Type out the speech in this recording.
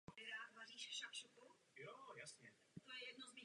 Areál hospodářského dvora tvořila obytná budova a zahrada.